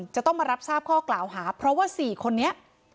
จะต้องมารับทราบข้อกล่าวหาเพราะว่า๔คนนี้